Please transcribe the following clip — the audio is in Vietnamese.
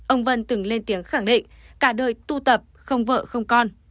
ông vân từng lên tiếng khẳng định cả đời tu tập không vợ không con